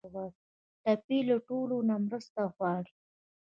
ټپي له ټولو نه مرسته غواړي.